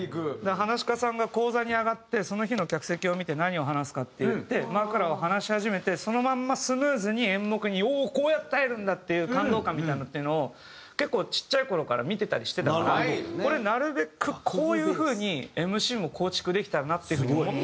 噺家さんが高座に上がってその日の客席を見て何を話すかっていって枕を話し始めてそのまんまスムーズに演目に「おおこうやって入るんだ！」っていう感動感みたいのっていうのを結構ちっちゃい頃から見てたりしてたんでこれなるべくこういう風にＭＣも構築できたらなっていう風に思っていて。